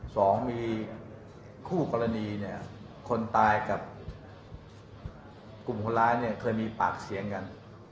สองมีคู่กรณีคนตายกับกลุ่มคนร้ายเคยมีปากเสียงกัน